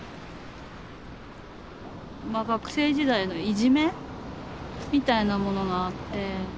まあ学生時代のいじめみたいなものがあって。